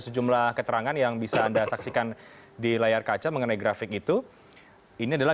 sejumlah keterangan yang bisa anda saksikan di layar kaca mengenai grafik itu ini adalah